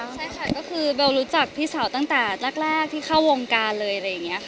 ใช่ค่ะก็คือเบลรู้จักพี่เสาตั้งแต่นักแรกที่เข้าวงการเลย